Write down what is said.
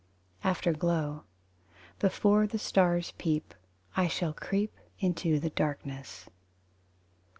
Afterglow: Before the stars peep I shall creep out into darkness.